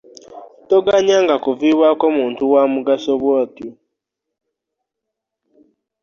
Toganyanga kuviibwako muntu wa mugaso bw'atyo.